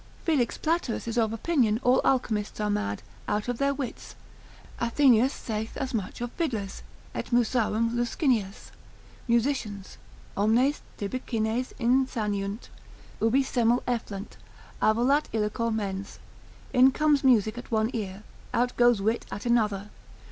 Felix Platerus is of opinion all alchemists are mad, out of their wits; Atheneus saith as much of fiddlers, et musarum luscinias, Musicians, omnes tibicines insaniunt, ubi semel efflant, avolat illico mens, in comes music at one ear, out goes wit at another.